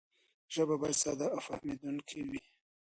ژبه باید ساده او فهمېدونکې وي.